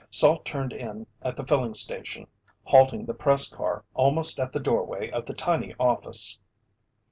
Salt turned in at the filling station, halting the press car almost at the doorway of the tiny office.